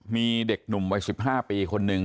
มีเด็กหนุ่มวัย๑๕ปีคนหนึ่ง